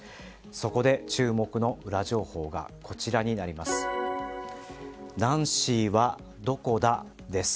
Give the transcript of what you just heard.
そこで、注目のウラ情報がこちらになります。